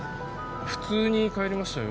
普通に帰りましたよ